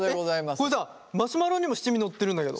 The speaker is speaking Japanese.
えっこれさマシュマロにも七味のってるんだけど。